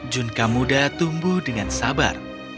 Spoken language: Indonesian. junka muda tumbuh dengan sabar